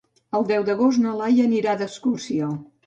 El deu d'agost na Laia anirà d'excursió.